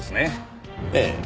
ええ。